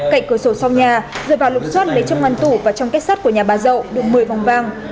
cạnh cửa sổ sau nhà rồi vào lục xoát lấy trong ngăn tủ và trong kết sắt của nhà bà dậu được một mươi vòng vàng